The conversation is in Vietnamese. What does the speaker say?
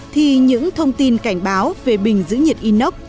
thì những thông tin cảnh báo về bình giữ nhiệt inox